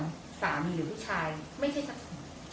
เพราะว่าสามีหรือผู้ชายไม่ใช่ทรัพย์สิน